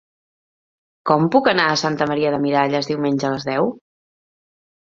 Com puc anar a Santa Maria de Miralles diumenge a les deu?